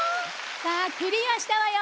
さあクリアしたわよ！